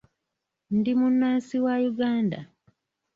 Ndi munnsansi wa Uganda.